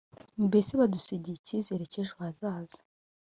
mbese badusigiye icyizere cy’ejo hazaza